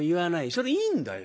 それいいんだよ。